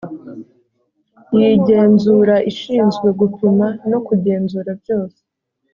y igenzura ishinzwe gupima no kugenzura byose